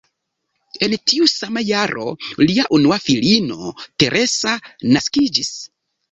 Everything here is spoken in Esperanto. En tiu sama jaro lia unua filino Teresa naskiĝis.